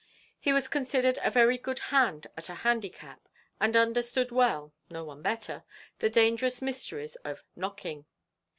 He was considered a very good hand at a handicap, and understood well no one better the dangerous mysteries of "knocking."